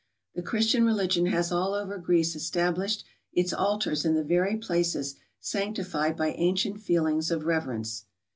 The Christian re¬ ligion has all over Greece establislied its altars in the very places sanctified by ancient feelings of reverence.